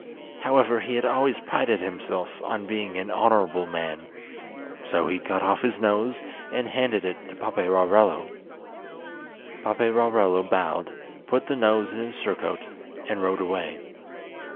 However, he had always prided himself on being an honourable man, so he cut off his nose, and handed it to Paperarello. Paperarello bowed, put the nose in his surcoat, and rode away.